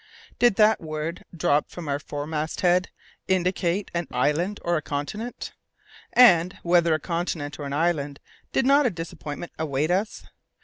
Did that word, dropped from our fore masthead, indicate an island or a continent? And, whether a continent or an island, did not a disappointment await us?